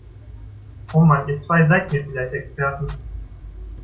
Oh Mann, ihr zwei seid mir vielleicht Experten!